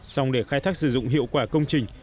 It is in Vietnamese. xong để khai thác sử dụng hiệu quả công trình